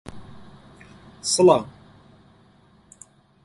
Each kind can be constructed by one of three construction facilities.